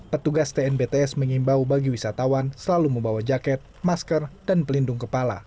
petugas tnbts mengimbau bagi wisatawan selalu membawa jaket masker dan pelindung kepala